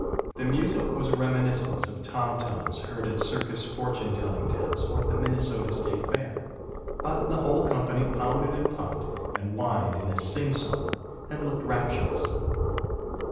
The music was a reminiscence of tom toms heard at circus fortune telling tents or at the Minnesota State Fair, but the whole company pounded and puffed and whined in a sing song, and looked rapturous.